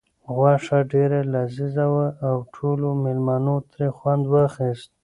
غوښه ډېره لذیذه وه او ټولو مېلمنو ترې خوند واخیست.